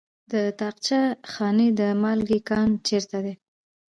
د طاقچه خانې د مالګې کان چیرته دی؟